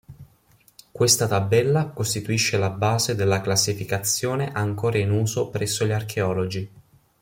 Questa tabella costituisce la base della classificazione ancora in uso presso gli archeologi.